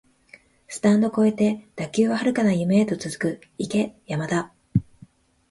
スタンド超えて打球は遥かな夢へと続く、行け山田